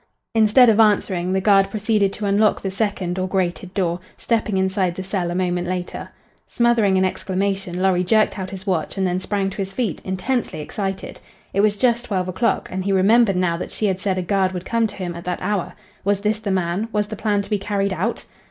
Instead of answering, the guard proceeded to unlock the second or grated door, stepping inside the cell a moment later. Smothering an exclamation, Lorry jerked out his watch and then sprang to his feet, intensely excited. It was just twelve o'clock, and he remembered now that she had said a guard would come to him at that hour. Was this the man? Was the plan to be carried out?